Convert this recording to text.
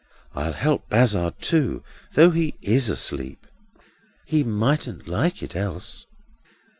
I'll help Bazzard too, though he is asleep. He mightn't like it else."